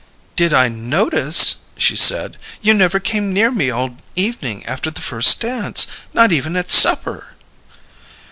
"Did I 'notice'!" she said. "You never came near me all evening after the first dance! Not even at supper!"